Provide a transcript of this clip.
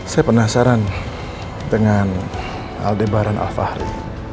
saya penasaran dengan aldebaran alfahri